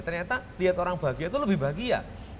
ternyata lihat orang bahagia itu lebih bahagia